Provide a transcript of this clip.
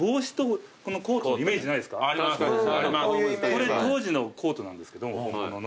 これ当時のコートなんですけど本物の。